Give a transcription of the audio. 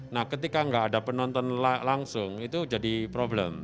nah ketika nggak ada penonton langsung itu jadi problem